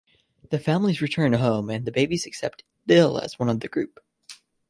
The families return home and the babies accept Dil as one of the group.